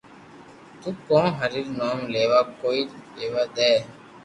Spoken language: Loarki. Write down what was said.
تو ڪون ھري رو نوم ليوا ڪوئي ليوا دي